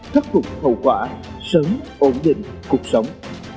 khắc phục hậu quả sớm ổn định cuộc sống